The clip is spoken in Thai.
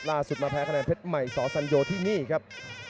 มาแพ้คะแนนเพชรใหม่สอสัญโยที่นี่ครับ